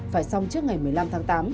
phải xong trước ngày một mươi năm tháng tám